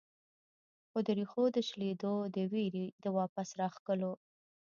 خو د ريښو د شلېدو د وېرې د واپس راښکلو